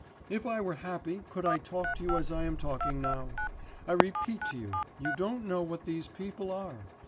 If I were happy, could I talk to you as I am talking now.... I repeat to you, you don't know what these people are....